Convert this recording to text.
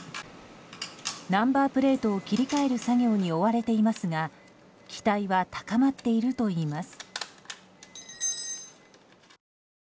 ナンバープレートを切り替える作業に追われていますが期待は高まっているといいます。